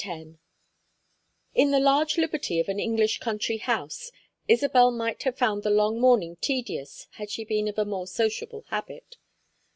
X In the large liberty of an English country house Isabel might have found the long morning tedious had she been of a more sociable habit.